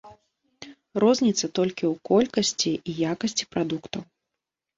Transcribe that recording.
Розніца толькі ў колькасці і якасці прадуктаў.